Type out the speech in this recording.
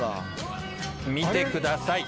見てください。